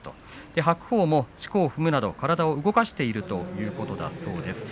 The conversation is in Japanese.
白鵬もしこを踏むなど体を動かしているということだそうです。